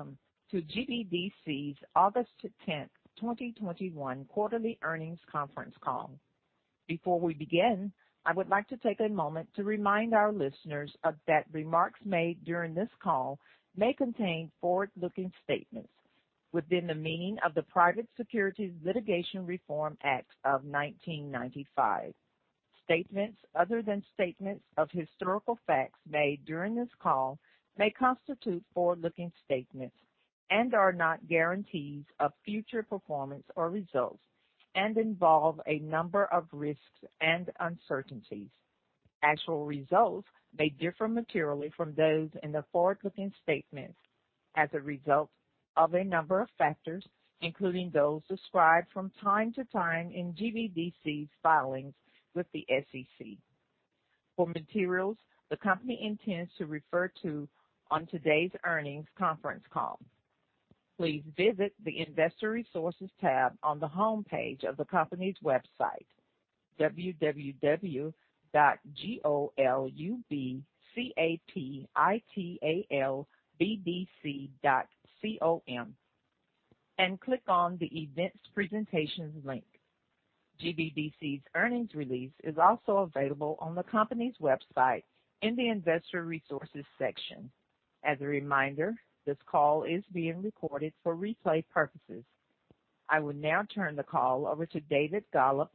Welcome to GBDC's August 10th, 2021 quarterly earnings conference call. Before we begin, I would like to take a moment to remind our listeners that remarks made during this call may contain forward-looking statements within the meaning of the Private Securities Litigation Reform Act of 1995. Statements other than statements of historical facts made during this call may constitute forward-looking statements and are not guarantees of future performance or results, and involve a number of risks and uncertainties. Actual results may differ materially from those in the forward-looking statements as a result of a number of factors, including those described from time to time in GBDC's filings with the SEC. For materials the company intends to refer to on today's earnings conference call, please visit the investor resources tab on the homepage of the company's website, www.g-o-l-u-b-c-a-p-i-t-a-l-b-d-c.c-o-m, and click on the events presentations link. GBDC's earnings release is also available on the company's website in the investor resources section. As a reminder, this call is being recorded for replay purposes. I will now turn the call over to David Golub,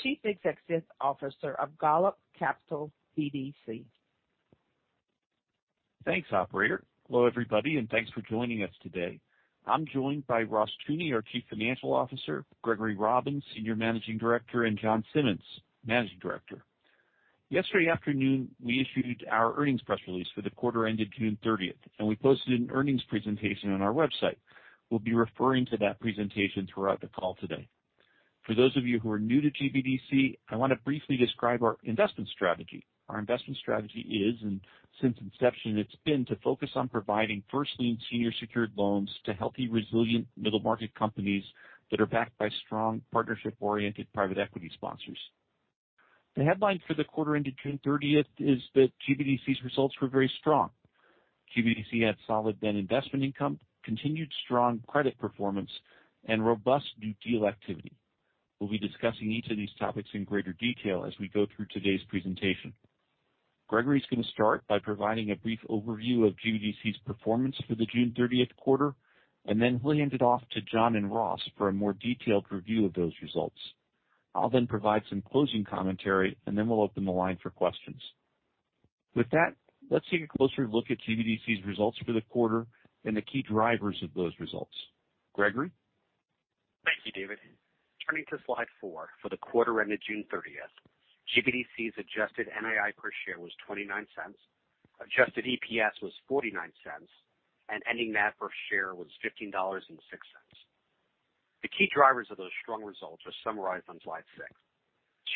Chief Executive Officer of Golub Capital BDC. Thanks, operator. Hello, everybody, and thanks for joining us today. I'm joined by Ross Teune, our Chief Financial Officer, Gregory Robbins, Senior Managing Director, and Jon Simmons, Managing Director. Yesterday afternoon, we issued our earnings press release for the quarter ended June 30th, and we posted an earnings presentation on our website. We'll be referring to that presentation throughout the call today. For those of you who are new to GBDC, I want to briefly describe our investment strategy. Our investment strategy is, and since inception it's been, to focus on providing first lien senior secured loans to healthy, resilient middle market companies that are backed by strong partnership-oriented private equity sponsors. The headline for the quarter ended June 30th is that GBDC's results were very strong. GBDC had solid net investment income, continued strong credit performance, and robust new deal activity. We'll be discussing each of these topics in greater detail as we go through today's presentation. Gregory's going to start by providing a brief overview of GBDC's performance for the June 30th quarter, and then he'll hand it off to Jon and Ross for a more detailed review of those results. I'll then provide some closing commentary, and then we'll open the line for questions. With that, let's take a closer look at GBDC's results for the quarter and the key drivers of those results. Gregory? Thank you, David. Turning to slide four for the quarter ended June 30th. GBDC's adjusted NII per share was $0.29, adjusted EPS was $0.49, and ending NAV per share was $15.06. The key drivers of those strong results are summarized on slide six.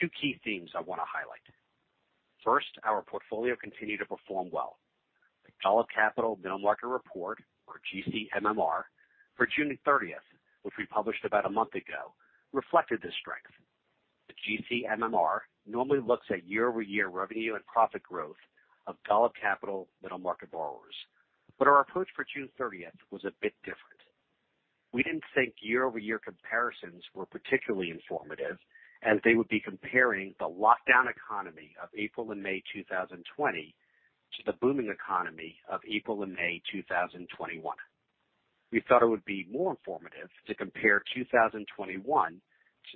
Two key themes I want to highlight. First, our portfolio continued to perform well. The Golub Capital Middle Market Report, or GCMMR, for June 30th, which we published about a month ago, reflected this strength. The GCMMR normally looks at year over year revenue growth of Golub capital. Our approach for June 30th was a bit different. We didn't think year-over-year comparisons were particularly informative, as they would be comparing the lockdown economy of April and May 2020 to the booming economy of April and May 2021. We thought it would be more informative to compare 2021 to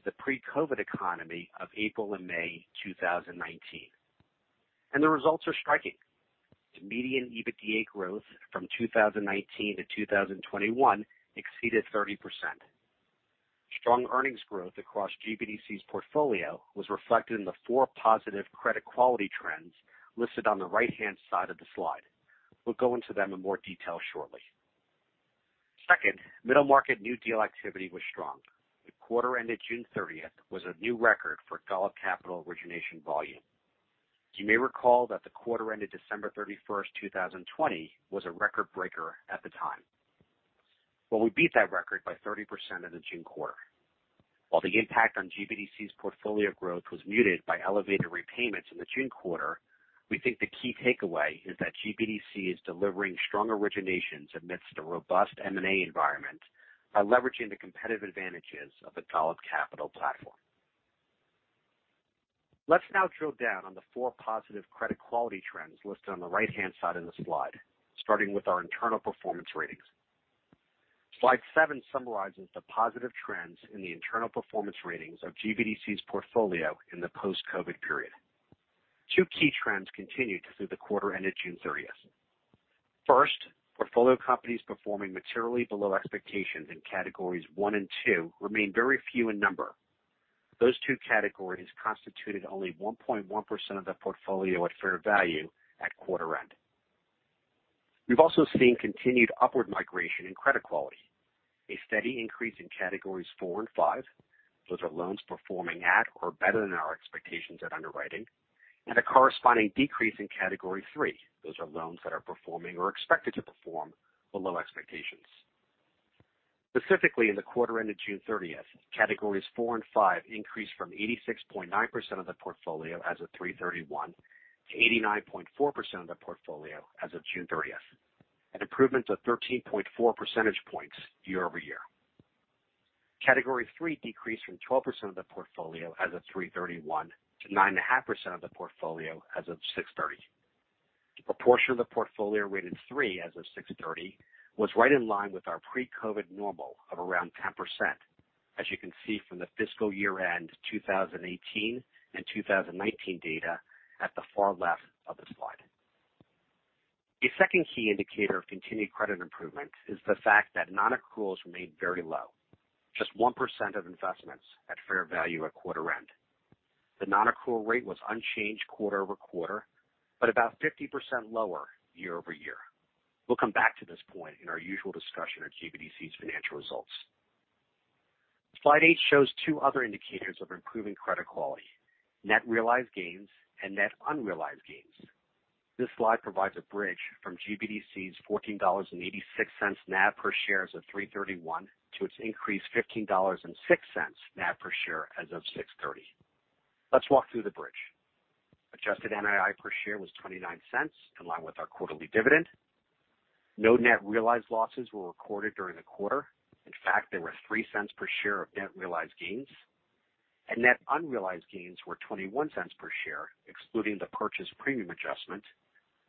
the pre-COVID economy of April and May 2019. The results are striking. The median EBITDA growth from 2019 to 2021 exceeded 30%. Strong earnings growth across GBDC's portfolio was reflected in the four positive credit quality trends listed on the right-hand side of the slide. We'll go into them in more detail shortly. Second, middle market new deal activity was strong. The quarter ended June 30th was a new record for Golub Capital origination volume. You may recall that the quarter ended December 31st, 2020, was a record breaker at the time. Well, we beat that record by 30% in the June quarter. While the impact on GBDC's portfolio growth was muted by elevated repayments in the June quarter, we think the key takeaway is that GBDC is delivering strong originations amidst a robust M&A environment by leveraging the competitive advantages of the Golub Capital platform. Let's now drill down on the four positive credit quality trends listed on the right-hand side of the slide, starting with our internal performance ratings. Slide seven summarizes the positive trends in the internal performance ratings of GBDC's portfolio in the post-COVID period. Two key trends continued through the quarter ended June 30th. First, portfolio companies performing materially below expectations in categories one and two remained very few in number. Those two categories constituted only 1.1% of the portfolio at fair value at quarter end. We've also seen continued upward migration in credit quality, a steady increase in categories four and five. Those are loans performing at or better than our expectations at underwriting. A corresponding decrease in category three. Those are loans that are performing or expected to perform below expectations. Specifically, in the quarter ended June 30th, categories four and five increased from 86.9% of the portfolio as of 3/31 to 89.4% of the portfolio as of June 30th, an improvement of 13.4 percentage points year-over-year. Category three decreased from 12% of the portfolio as of 3/31 to 9.5% of the portfolio as of 6/30. The proportion of the portfolio rated three as of 6/30 was right in line with our pre-COVID normal of around 10%, as you can see from the fiscal year-end 2018 and 2019 data at the far left of the slide. A second key indicator of continued credit improvement is the fact that non-accruals remained very low. Just 1% of investments at fair value at quarter end. The non-accrual rate was unchanged quarter-over-quarter, but about 50% lower year-over-year. We'll come back to this point in our usual discussion on GBDC's financial results. Slide eight shows two other indicators of improving credit quality, net realized gains and net unrealized gains. This slide provides a bridge from GBDC's $14.86 NAV per share as of 3/31/2023 to its increased $15.06 NAV per share as of 6/30/2023. Let's walk through the bridge. Adjusted NII per share was $0.29, in line with our quarterly dividend. No net realized losses were recorded during the quarter. In fact, there were $0.03 per share of net realized gains. Net unrealized gains were $0.21 per share, excluding the purchase premium adjustment,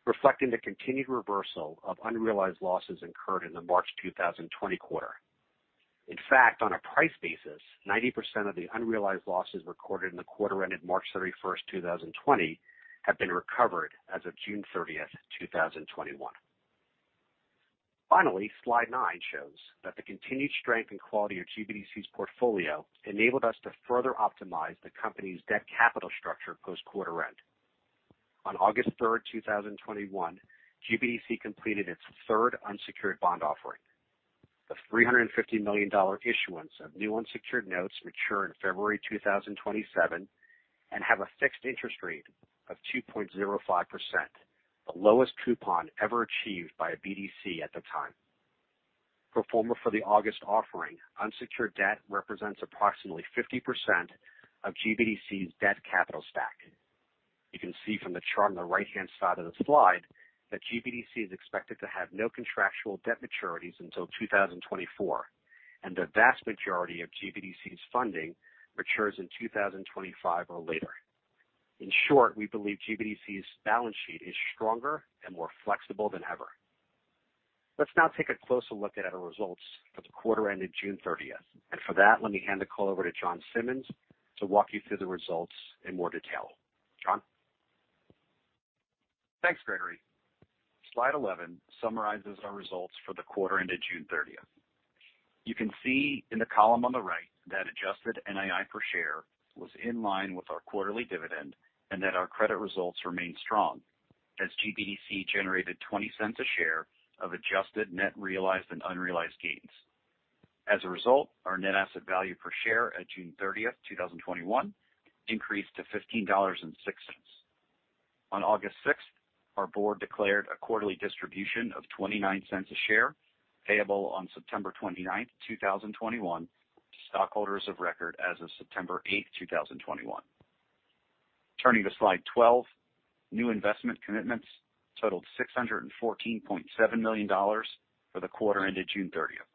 reflecting the continued reversal of unrealized losses incurred in the March 2020 quarter. In fact, on a price basis, 90% of the unrealized losses recorded in the quarter ended March 31, 2020 have been recovered as of June 30, 2021. Slide nine shows that the continued strength and quality of GBDC's portfolio enabled us to further optimize the company's debt capital structure post quarter end. On August 3, 2021, GBDC completed its third unsecured bond offering. The $350 million issuance of new unsecured notes mature in February 2027 and have a fixed interest rate of 2.05%, the lowest coupon ever achieved by a BDC at the time. Pro forma for the August offering, unsecured debt represents approximately 50% of GBDC's debt capital stack. You can see from the chart on the right-hand side of the slide that GBDC is expected to have no contractual debt maturities until 2024, and the vast majority of GBDC's funding matures in 2025 or later. In short, we believe GBDC's balance sheet is stronger and more flexible than ever. Let's now take a closer look at our results for the quarter ended June 30th. For that, let me hand the call over to Jon Simmons to walk you through the results in more detail. Jon? Thanks, Gregory. Slide 11 summarizes our results for the quarter ended June 30th. You can see in the column on the right that adjusted NII per share was in line with our quarterly dividend, and that our credit results remained strong as GBDC generated $0.20 a share of adjusted net realized and unrealized gains. As a result, our net asset value per share at June 30th, 2021 increased to $15.06. On August 6th, our board declared a quarterly distribution of $0.29 a share, payable on September 29th, 2021 to stockholders of record as of September 8th, 2021. Turning to slide 12, new investment commitments totaled $614.7 million for the quarter ended June 30th.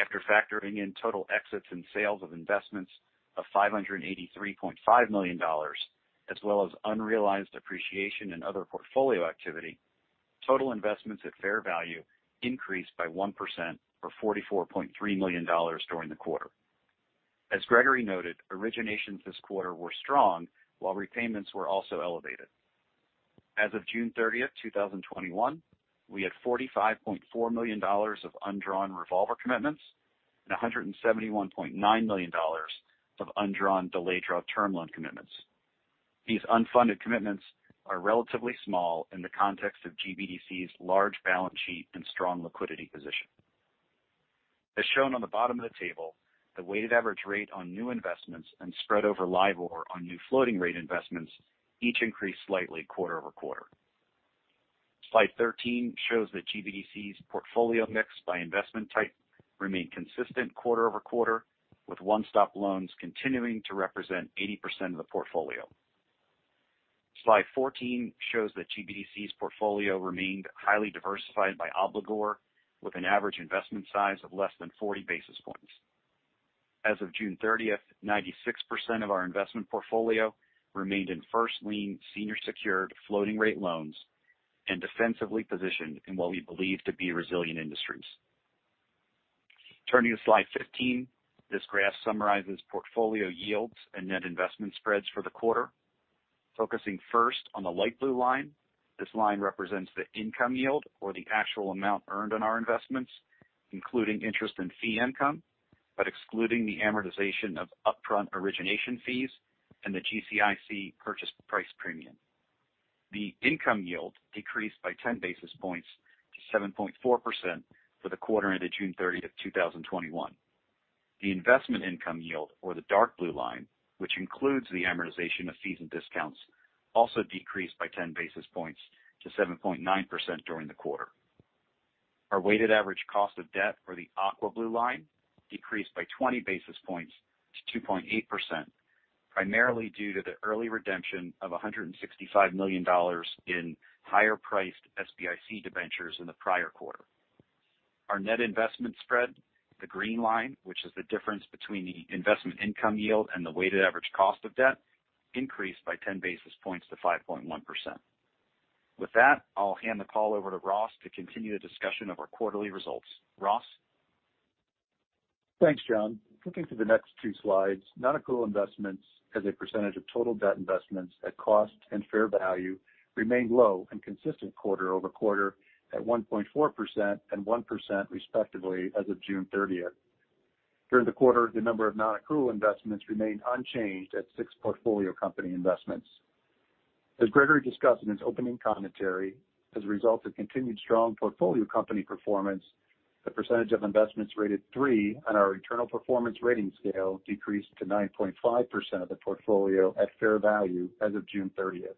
After factoring in total exits and sales of investments of $583.5 million, as well as unrealized appreciation and other portfolio activity, total investments at fair value increased by 1% or $44.3 million during the quarter. As Gregory noted, originations this quarter were strong while repayments were also elevated. As of June 30th, 2021, we had $45.4 million of undrawn revolver commitments and $171.9 million of undrawn delayed draw term loan commitments. These unfunded commitments are relatively small in the context of GBDC's large balance sheet and strong liquidity position. As shown on the bottom of the table, the weighted average rate on new investments and spread over LIBOR on new floating rate investments each increased slightly quarter-over-quarter. Slide 13 shows that GBDC's portfolio mix by investment type remained consistent quarter-over-quarter, with one-stop loans continuing to represent 80% of the portfolio. Slide 14 shows that GBDC's portfolio remained highly diversified by obligor, with an average investment size of less than 40 basis points. As of June 30th, 96% of our investment portfolio remained in first lien senior secured floating rate loans and defensively positioned in what we believe to be resilient industries. Turning to slide 15, this graph summarizes portfolio yields and net investment spreads for the quarter. Focusing first on the light blue line, this line represents the income yield or the actual amount earned on our investments, including interest and fee income, but excluding the amortization of upfront origination fees and the GCIC purchase price premium. The income yield decreased by 10 basis points to 7.4% for the quarter ended June 30th, 2021. The investment income yield, or the dark blue line, which includes the amortization of fees and discounts, also decreased by 10 basis points to 7.9% during the quarter. Our weighted average cost of debt, or the aqua blue line, decreased by 20 basis points to 2.8%, primarily due to the early redemption of $165 million in higher-priced SBIC debentures in the prior quarter. Our net investment spread, the green line, which is the difference between the investment income yield and the weighted average cost of debt, increased by 10 basis points to 5.1%. With that, I'll hand the call over to Ross to continue the discussion of our quarterly results. Ross? Thanks, Jon. Looking to the next two slides, non-accrual investments as a percentage of total debt investments at cost and fair value remained low and consistent quarter-over-quarter at 1.4% and 1%, respectively, as of June 30th. During the quarter, the number of non-accrual investments remained unchanged at six portfolio company investments. As Gregory discussed in his opening commentary, as a result of continued strong portfolio company performance, the percentage of investments rated three on our internal performance rating scale decreased to 9.5% of the portfolio at fair value as of June 30th.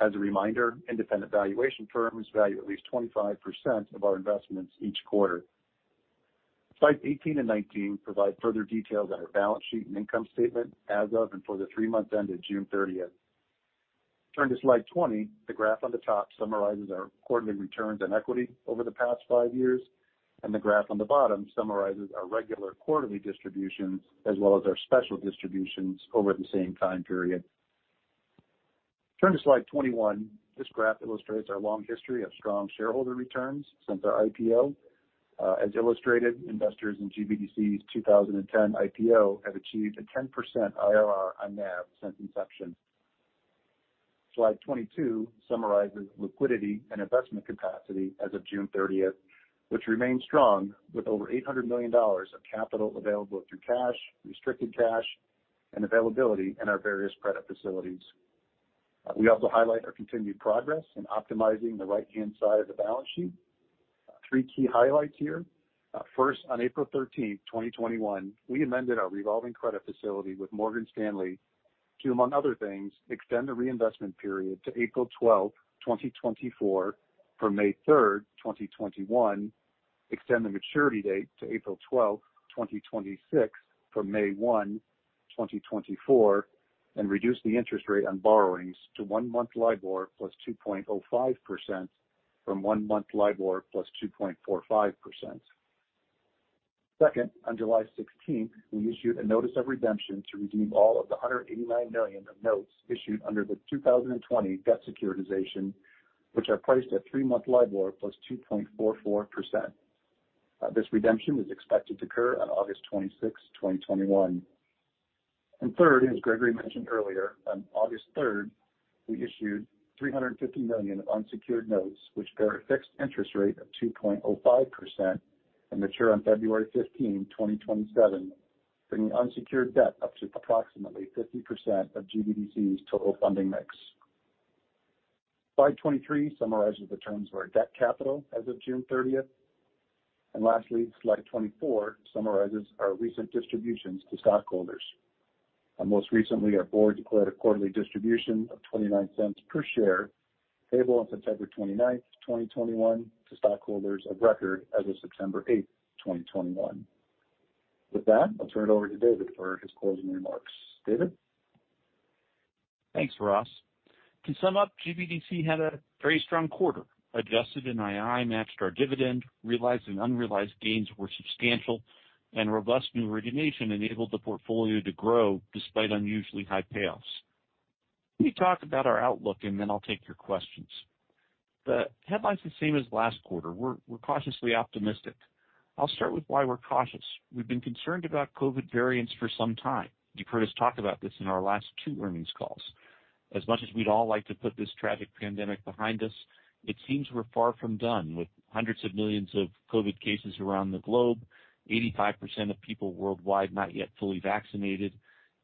As a reminder, independent valuation firms value at least 25% of our investments each quarter. Slides 18 and 19 provide further details on our balance sheet and income statement as of and for the three months ended June 30th. Turning to slide 20, the graph on the top summarizes our quarterly returns on equity over the past five years, and the graph on the bottom summarizes our regular quarterly distributions as well as our special distributions over the same time period. Turning to slide 21, this graph illustrates our long history of strong shareholder returns since our IPO. As illustrated, investors in GBDC's 2010 IPO have achieved a 10% IRR on NAV since inception. Slide 22 summarizes liquidity and investment capacity as of June 30th, which remains strong with over $800 million of capital available through cash, restricted cash, and availability in our various credit facilities. We also highlight our continued progress in optimizing the right-hand side of the balance sheet. Three key highlights here. First, on April 13th, 2021, we amended our revolving credit facility with Morgan Stanley to, among other things, extend the reinvestment period to April 12th, 2024 from May 3rd, 2021, extend the maturity date to April 12th, 2026 from May 1, 2024, and reduce the interest rate on borrowings to one-month LIBOR +2.05% from one-month LIBOR +2.45%. Second, on July 16th, we issued a notice of redemption to redeem all of the $189 million of notes issued under the 2020 debt securitization, which are priced at three-month LIBOR +2.44%. This redemption is expected to occur on August 26th, 2021. Third, as Gregory mentioned earlier, on August 3rd, we issued $350 million of unsecured notes which bear a fixed interest rate of 2.05% and mature on February 15, 2027, bringing unsecured debt up to approximately 50% of GBDC's total funding mix. Slide 23 summarizes the terms of our debt capital as of June 30th. Lastly, slide 24 summarizes our recent distributions to stockholders. Most recently, our board declared a quarterly distribution of $0.29 per share, payable on September 29th, 2021, to stockholders of record as of September 8th, 2021. With that, I'll turn it over to David for his closing remarks. David? Thanks, Ross. To sum up, GBDC had a very strong quarter. Adjusted NII matched our dividend. Realized and unrealized gains were substantial. Robust new origination enabled the portfolio to grow despite unusually high payoffs. Let me talk about our outlook, then I'll take your questions. The headline's the same as last quarter. We're cautiously optimistic. I'll start with why we're cautious. We've been concerned about COVID variants for some time. You've heard us talk about this in our last two earnings calls. As much as we'd all like to put this tragic pandemic behind us, it seems we're far from done, with hundreds of millions of COVID cases around the globe, 85% of people worldwide not yet fully vaccinated,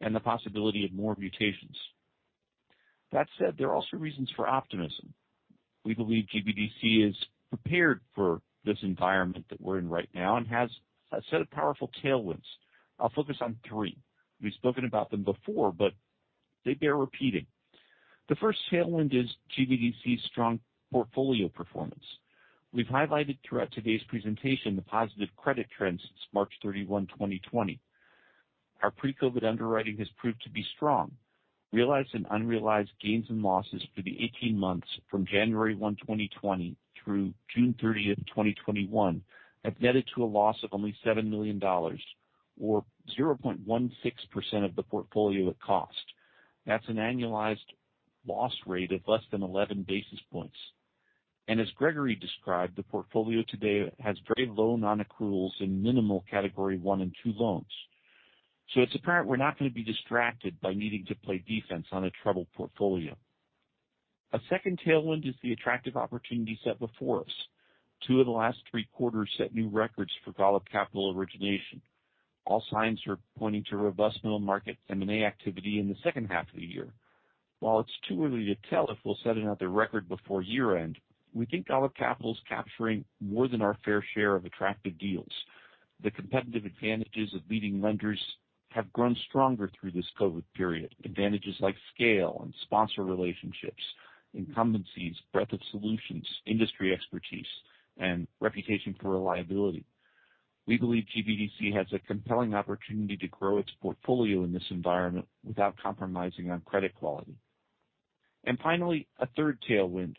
and the possibility of more mutations. That said, there are also reasons for optimism. We believe GBDC is prepared for this environment that we're in right now and has a set of powerful tailwinds. I'll focus on three. We've spoken about them before, but they bear repeating. The first tailwind is GBDC's strong portfolio performance. We've highlighted throughout today's presentation the positive credit trends since March 31, 2020. Our pre-COVID underwriting has proved to be strong. Realized and unrealized gains and losses for the 18 months from January 1, 2020 through June 30th of 2021 have netted to a loss of only $7 million, or 0.16% of the portfolio at cost. That's an annualized loss rate of less than 11 basis points. As Gregory described, the portfolio today has very low non-accruals and minimal category one and two loans. It's apparent we're not going to be distracted by needing to play defense on a troubled portfolio. A second tailwind is the attractive opportunity set before us. Two of the last three quarters set new records for Golub Capital origination. All signs are pointing to robust middle market M&A activity in the H2 of the year. While it's too early to tell if we'll set another record before year-end, we think Golub Capital's capturing more than our fair share of attractive deals. The competitive advantages of leading lenders have grown stronger through this COVID period. Advantages like scale and sponsor relationships, incumbencies, breadth of solutions, industry expertise, and reputation for reliability. We believe GBDC has a compelling opportunity to grow its portfolio in this environment without compromising on credit quality. Finally, a third tailwind.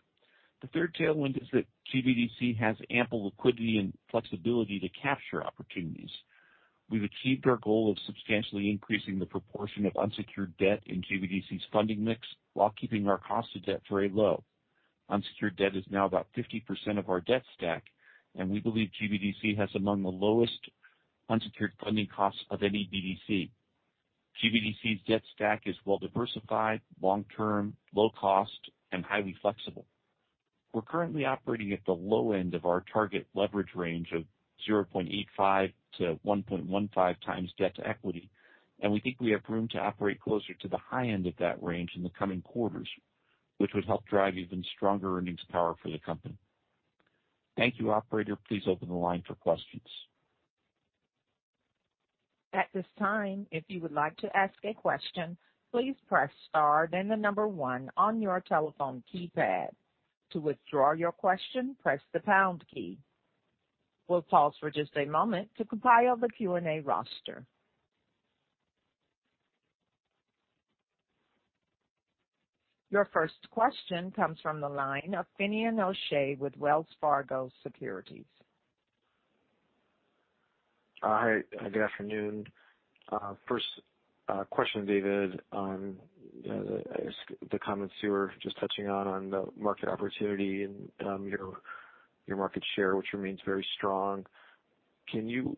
The third tailwind is that GBDC has ample liquidity and flexibility to capture opportunities. We've achieved our goal of substantially increasing the proportion of unsecured debt in GBDC's funding mix while keeping our cost of debt very low. Unsecured debt is now about 50% of our debt stack, and we believe GBDC has among the lowest unsecured funding costs of any BDC. GBDC's debt stack is well-diversified, long-term, low cost, and highly flexible. We're currently operating at the low end of our target leverage range of 0.85x to 1.15x debt to equity, and we think we have room to operate closer to the high end of that range in the coming quarters, which would help drive even stronger earnings power for the company. Thank you. Operator, please open the line for questions. At this time, if you would like to ask a question, please press star then the number one on your telephone keypad. To withdraw your question, press the pound key. We'll pause for just a moment to compile the Q&A roster. Your first question comes from the line of Finian O'Shea with Wells Fargo Securities. Hi, good afternoon. First question, David, on the comments you were just touching on the market opportunity and your market share, which remains very strong. Can you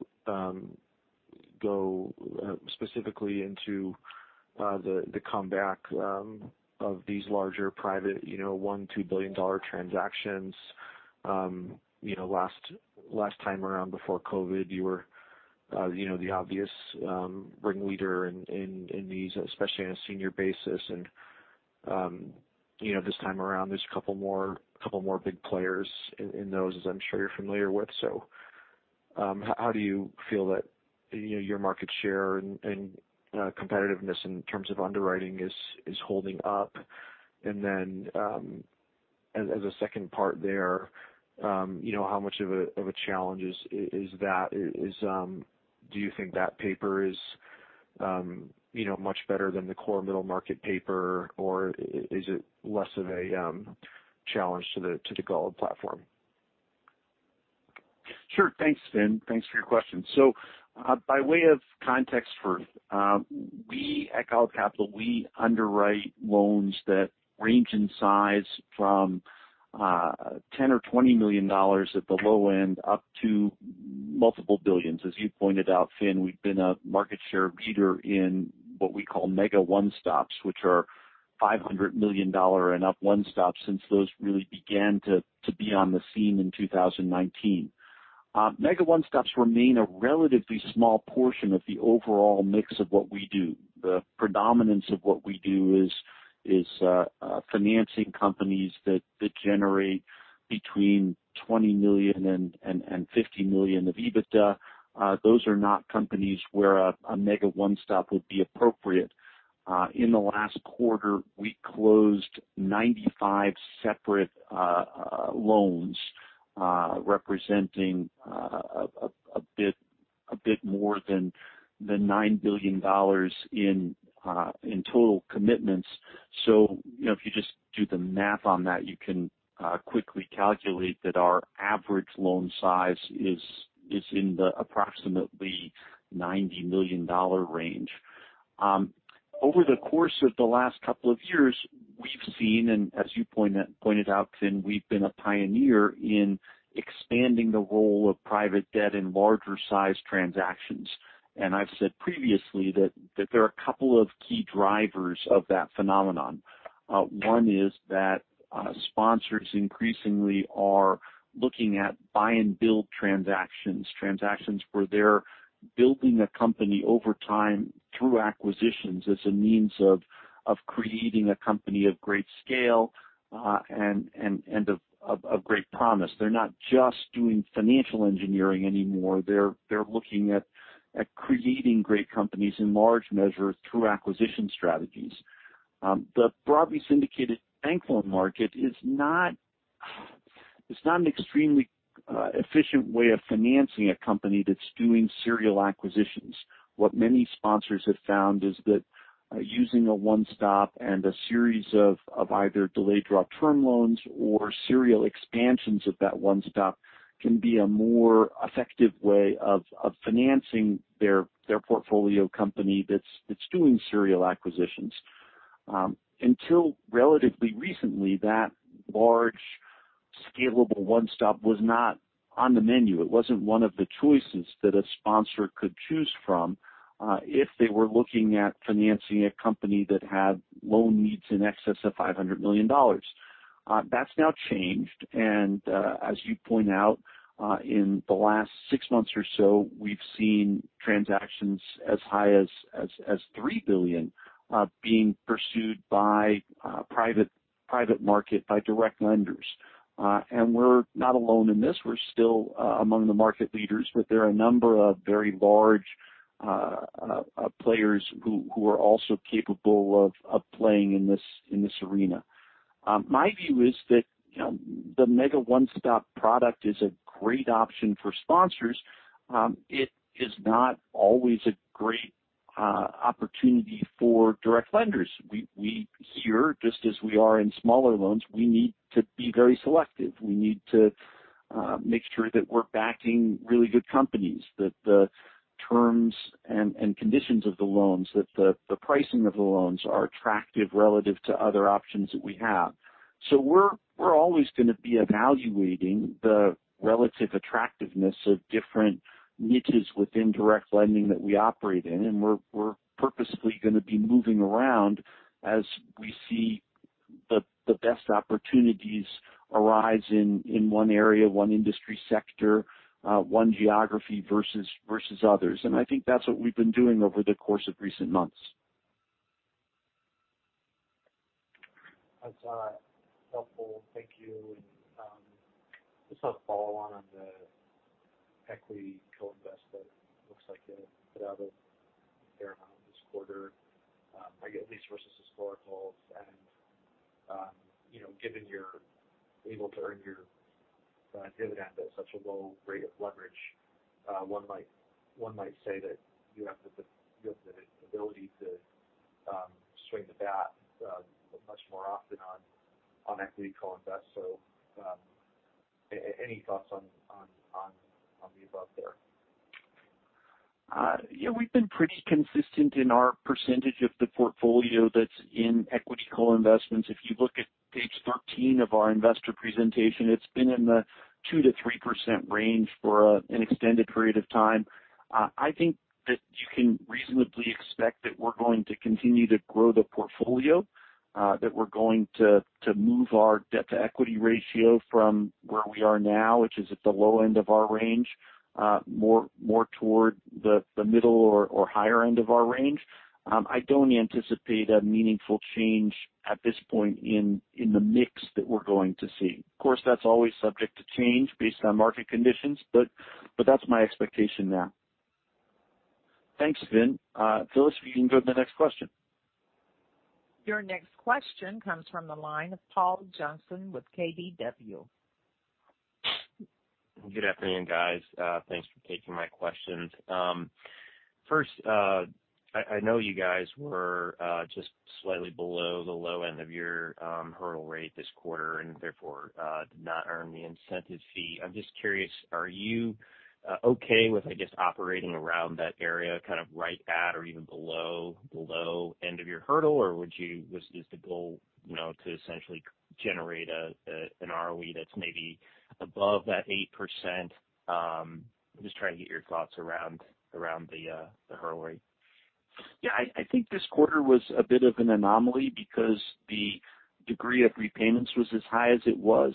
go specifically into the comeback of these larger private one, $2 billion transactions? Last time around before COVID, you were the obvious ring leader in these, especially on a senior basis. This time around, there's a couple more big players in those as I'm sure you're familiar with. How do you feel that your market share and competitiveness in terms of underwriting is holding up? Then as a second part there, how much of a challenge is that? Do you think that paper is much better than the core middle market paper, or is it less of a challenge to the Golub platform? Sure. Thanks, Fin. Thanks for your question. By way of context, we at Golub Capital, we underwrite loans that range in size from $10 million or $20 million at the low end up to multiple billions. As you pointed out, Finn, we've been a market share leader in what we call mega one-stops, which are $500 million and up one-stops since those really began to be on the scene in 2019. Mega one-stops remain a relatively small portion of the overall mix of what we do. The predominance of what we do is financing companies that generate between $20 million and $50 million of EBITDA. Those are not companies where a mega one-stop would be appropriate. In the last quarter, we closed 95 separate loans representing a bit more than the $9 billion in total commitments. If you just do the math on that, you can quickly calculate that our average loan size is in the approximately $90 million range. Over the course of the last couple of years, we've seen, and as you pointed out, Fin, we've been a pioneer in expanding the role of private debt in larger sized transactions. I've said previously that there are a couple of key drivers of that phenomenon. One is that sponsors increasingly are looking at buy and build transactions. Transactions where they're building a company over time through acquisitions as a means of creating a company of great scale and of great promise. They're not just doing financial engineering anymore. They're looking at creating great companies in large measure through acquisition strategies. The broadly syndicated loan market is not an extremely efficient way of financing a company that's doing serial acquisitions. What many sponsors have found is that using a one-stop and a series of either delayed draw term loans or serial expansions of that one-stop can be a more effective way of financing their portfolio company that's doing serial acquisitions. Until relatively recently, that large scalable one-stop was not on the menu. It wasn't one of the choices that a sponsor could choose from if they were looking at financing a company that had loan needs in excess of $500 million. That's now changed. As you point out, in the last six months or so, we've seen transactions as high as $3 billion being pursued by private market, by direct lenders. We're not alone in this. We're still among the market leaders, but there are a number of very large players who are also capable of playing in this arena. My view is that the mega one-stop product is a great option for sponsors. It is not always a great opportunity for direct lenders. We here, just as we are in smaller loans, we need to be very selective. We need to make sure that we're backing really good companies, that the terms and conditions of the loans, that the pricing of the loans are attractive relative to other options that we have. We're always going to be evaluating the relative attractiveness of different niches within direct lending that we operate in. We're purposely going to be moving around as we see the best opportunities arise in one area, one industry sector, one geography versus others. I think that's what we've been doing over the course of recent months. That's helpful. Thank you. Just a follow-on on the equity co-invest that looks like it put out a fair amount this quarter. I get least versus historical and given you're able to earn your dividend at such a low rate of leverage, one might say that you have the ability to swing the bat much more often on equity co-invest. Any thoughts on the above there? We've been pretty consistent in our percentage of the portfolio that's in equity co-investments. If you look at page 13 of our investor presentation, it's been in the 2%-3% range for an extended period of time. I think that you can reasonably expect that we're going to continue to grow the portfolio, that we're going to move our debt-to-equity ratio from where we are now, which is at the low end of our range, more toward the middle or higher end of our range. I don't anticipate a meaningful change at this point in the mix that we're going to see. Of course, that's always subject to change based on market conditions. That's my expectation now. Thanks, Finn. Phyllis, we can go to the next question. Your next question comes from the line of Paul Johnson with KBW. Good afternoon, guys. Thanks for taking my questions. I know you guys were just slightly below the low end of your hurdle rate this quarter and therefore did not earn the incentive fee. I'm just curious, are you okay with, I guess, operating around that area kind of right at or even below the low end of your hurdle? Is the goal to essentially generate an ROE that's maybe above that 8%? I'm just trying to get your thoughts around the hurdle rate. Yeah. I think this quarter was a bit of an anomaly because the degree of repayments was as high as it was.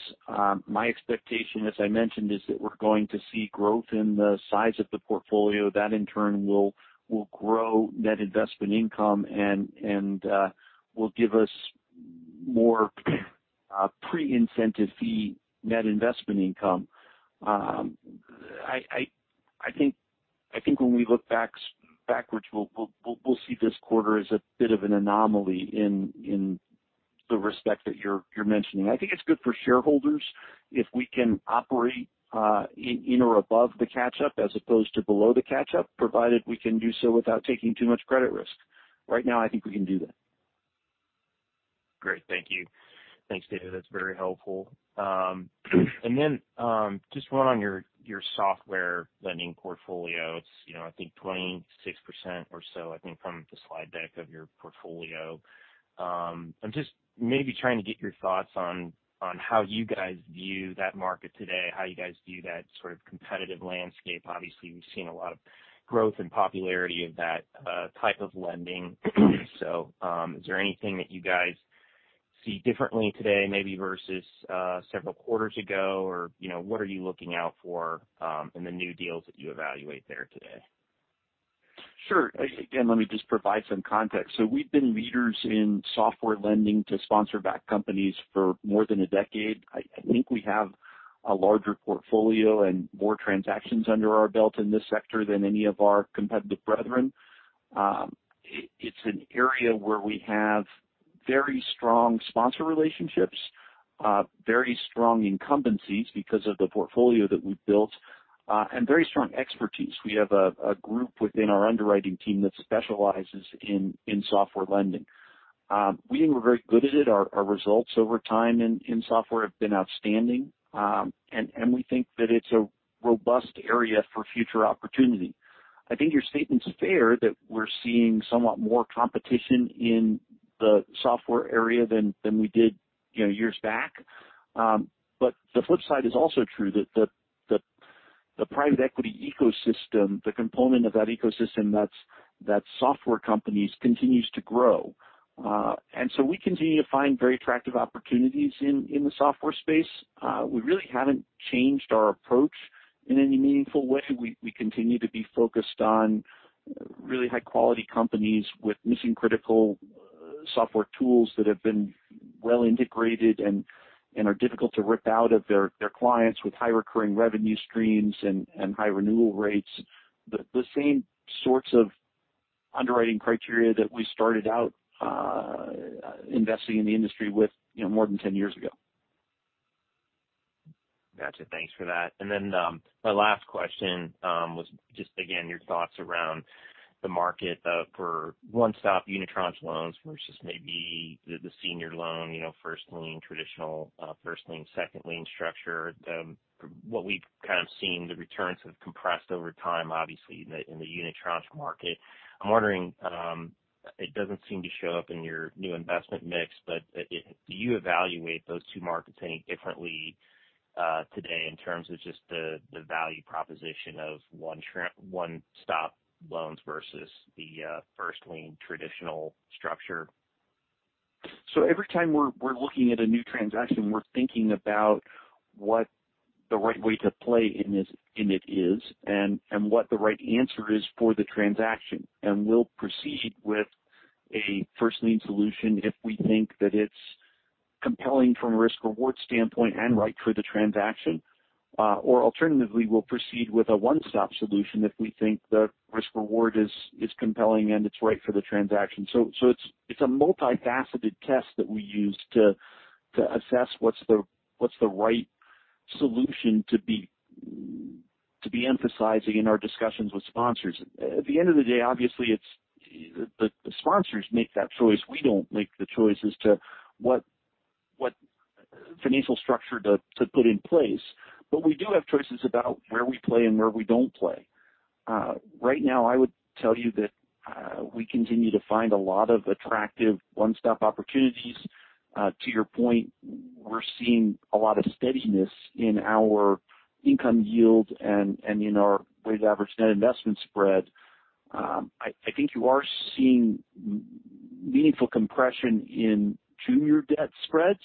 My expectation, as I mentioned, is that we're going to see growth in the size of the portfolio. That in turn will grow net investment income and will give us more pre-incentive fee net investment income. I think when we look backwards, we'll see this quarter as a bit of an anomaly in the respect that you're mentioning. I think it's good for shareholders if we can operate in or above the catch-up as opposed to below the catch-up, provided we can do so without taking too much credit risk. Right now, I think we can do that. Great. Thank you. Thanks, David. That's very helpful. Then just one on your software lending portfolio. It's I think 26% or so, I think from the slide deck of your portfolio. I'm just maybe trying to get your thoughts on how you guys view that market today, how you guys view that sort of competitive landscape. Obviously, we've seen a lot of growth and popularity of that type of lending. Is there anything that you guys see differently today, maybe versus several quarters ago? What are you looking out for in the new deals that you evaluate there today? Sure. Again, let me just provide some context. We've been leaders in software lending to sponsor-backed companies for more than a decade. I think we have a larger portfolio and more transactions under our belt in this sector than any of our competitive brethren. It's an area where we have very strong sponsor relationships, very strong incumbencies because of the portfolio that we've built, and very strong expertise. We have a group within our underwriting team that specializes in software lending. We think we're very good at it. Our results over time in software have been outstanding. We think that it's a robust area for future opportunity. I think your statement's fair that we're seeing somewhat more competition in the software area than we did years back. The flip side is also true that the private equity ecosystem, the component of that ecosystem that's software companies, continues to grow. We continue to find very attractive opportunities in the software space. We really haven't changed our approach in any meaningful way. We continue to be focused on really high-quality companies with missing critical software tools that have been well-integrated and are difficult to rip out of their clients with high recurring revenue streams and high renewal rates. The same sorts of underwriting criteria that we started out investing in the industry with more than 10 years ago. Gotcha. Thanks for that. My last question was just, again, your thoughts around the market for one-stop unitranche loans versus maybe the senior loan, first lien, traditional first lien, second lien structure. What we've kind of seen, the returns have compressed over time, obviously, in the unitranche market. I'm wondering, it doesn't seem to show up in your new investment mix, but do you evaluate those two markets any differently today in terms of just the value proposition of one-stop loans versus the first lien traditional structure? Every time we're looking at a new transaction, we're thinking about what the right way to play in it is and what the right answer is for the transaction. We'll proceed with a first lien solution if we think that it's compelling from a risk-reward standpoint and right for the transaction. Alternatively, we'll proceed with a one-stop solution if we think the risk-reward is compelling and it's right for the transaction. It's a multifaceted test that we use to assess what's the right solution to be emphasizing in our discussions with sponsors. At the end of the day, obviously, the sponsors make that choice. We don't make the choice as to what financial structure to put in place. We do have choices about where we play and where we don't play. Right now, I would tell you that we continue to find a lot of attractive one-stop opportunities. To your point, we're seeing a lot of steadiness in our income yield and in our weighted average net investment spread. I think you are seeing meaningful compression in junior debt spreads.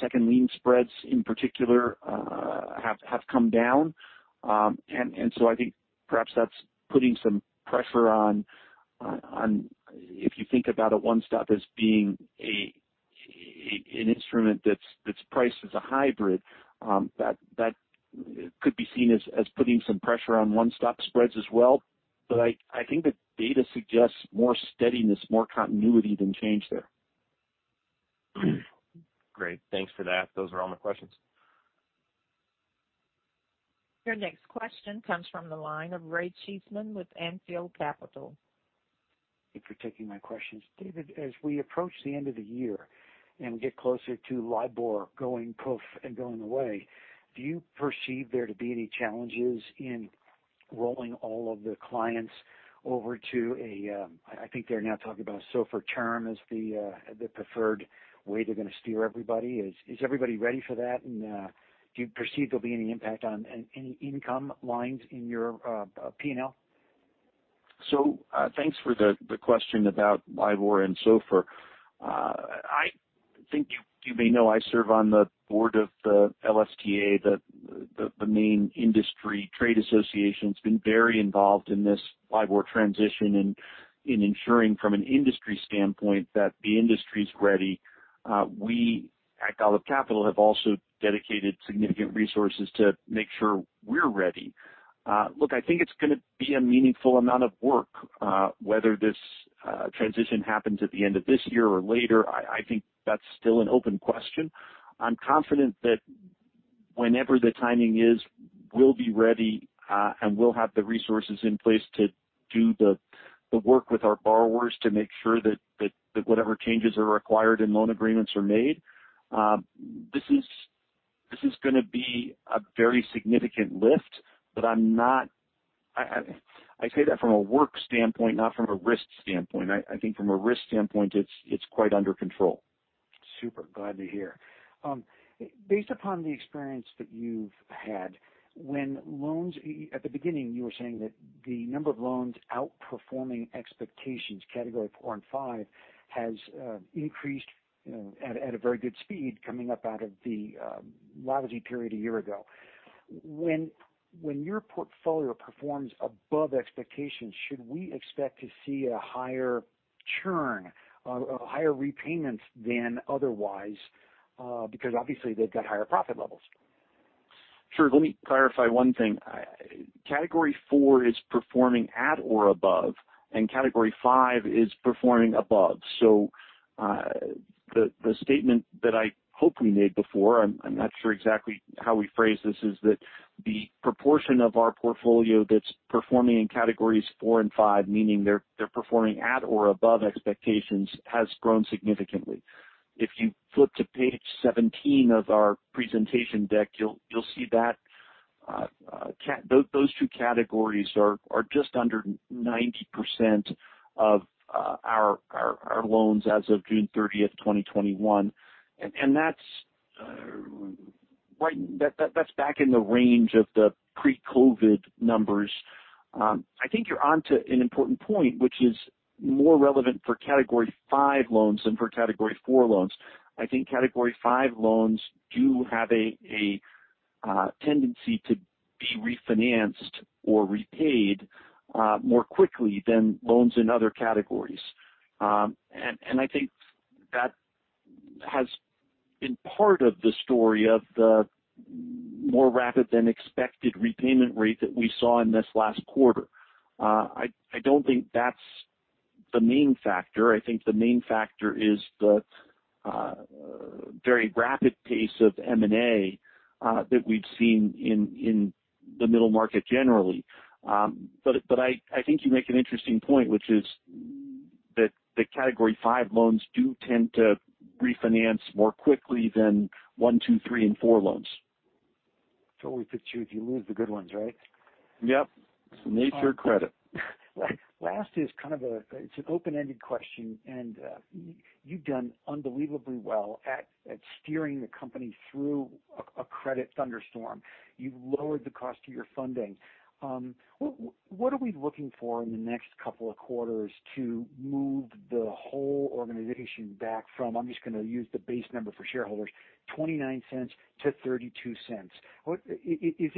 Second lien spreads, in particular, have come down. I think perhaps that's putting some pressure on, if you think about a one-stop as being an instrument that's priced as a hybrid that could be seen as putting some pressure on one-stop spreads as well. I think the data suggests more steadiness, more continuity than change there. Great. Thanks for that. Those are all my questions. Your next question comes from the line of Ray Cheeseman with Anfield Capital. Thank you for taking my questions. David, as we approach the end of the year and get closer to LIBOR going poof and going away, do you perceive there to be any challenges in rolling all of the clients over to I think they're now talking about SOFR term as the preferred way they're going to steer everybody. Is everybody ready for that? Do you perceive there'll be any impact on any income lines in your P&L? Thanks for the question about LIBOR and SOFR. I think you may know I serve on the board of the LSTA, the main industry trade association. It's been very involved in this LIBOR transition and in ensuring from an industry standpoint that the industry's ready. We at Golub Capital have also dedicated significant resources to make sure we're ready. I think it's going to be a meaningful amount of work whether this transition happens at the end of this year or later. I think that's still an open question. I'm confident that whenever the timing is, we'll be ready, and we'll have the resources in place to do the work with our borrowers to make sure that whatever changes are required and loan agreements are made. This is going to be a very significant lift. I say that from a work standpoint, not from a risk standpoint. I think from a risk standpoint, it's quite under control. Super. Glad to hear. Based upon the experience that you've had, at the beginning you were saying that the number of loans outperforming expectations, category four and five, has increased at a very good speed coming up out of the lethargy period a year ago. When your portfolio performs above expectations, should we expect to see a higher churn of higher repayments than otherwise? Because obviously they've got higher profit levels. Sure. Let me clarify one thing. Category four is performing at or above, and category four is performing above. The statement that I hopefully made before, I'm not sure exactly how we phrased this, is that the proportion of our portfolio that's performing in categories four and five, meaning they're performing at or above expectations, has grown significantly. If you flip to page 17 of our presentation deck, you'll see those two categories are just under 90% of our loans as of June 30th, 2021. That's back in the range of the pre-COVID numbers. I think you're onto an important point, which is more relevant for category five loans than for category four loans. I think Category 5 loans do have a tendency to be refinanced or repaid more quickly than loans in other categories. I think that has been part of the story of the more rapid than expected repayment rate that we saw in this last quarter. I don't think that's the main factor. I think the main factor is the very rapid pace of M&A that we've seen in the middle market generally. I think you make an interesting point, which is that the category five loans do tend to refinance more quickly than one, two, three, and four loans. It's always the truth. You lose the good ones, right? Yep. Nature of credit. Last is kind of an open-ended question. You've done unbelievably well at steering the company through a credit thunderstorm. You've lowered the cost of your funding. What are we looking for in the next couple of quarters to move the whole organization back from, I'm just going to use the base number for shareholders, $0.29-$0.32?